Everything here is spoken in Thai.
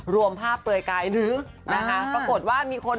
รวมภาพเปรย์ไกร